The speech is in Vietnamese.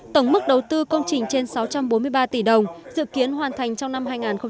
tổng mức đầu tư công trình trên sáu trăm bốn mươi ba tỷ đồng dự kiến hoàn thành trong năm hai nghìn hai mươi